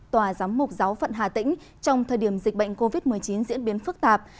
tòa giám mục giáo phận hà tĩnh trong thời điểm dịch bệnh covid một mươi chín diễn biến phức tạp